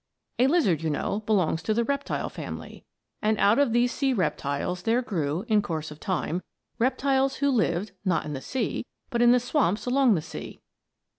A lizard, you know, belongs to the reptile family, and out of these sea reptiles there grew, in course of time, reptiles which lived, not in the sea but in the swamps along the sea.